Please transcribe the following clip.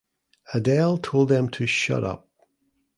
Adele told them to "Shut up".